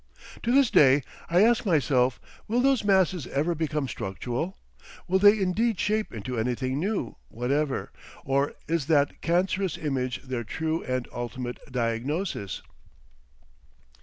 To this day I ask myself will those masses ever become structural, will they indeed shape into anything new whatever, or is that cancerous image their true and ultimate diagnosis?...